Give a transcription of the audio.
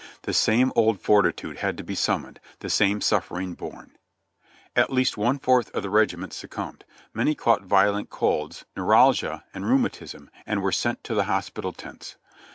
The same old fortitude had to be summoned ; the same suffering borne. At least one fourth of the regiment succumbed; many caug'ht violent colds, neuralgia and rheumatism, and were sent to the hospital tents.